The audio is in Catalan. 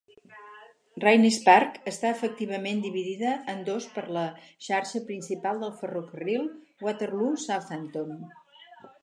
Raynes Park està efectivament dividida en dos per la xarxa principal del ferrocarril Waterloo - Southampton.